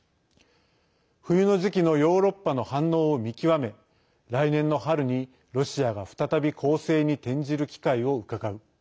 冬の時期のヨーロッパの反応を見極め来年の春に、ロシアが再び攻勢に転じる機会をうかがう。